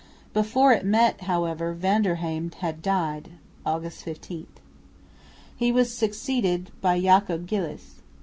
Before it met, however, Van der Heim had died (August 15). He was succeeded by Jacob Gilles.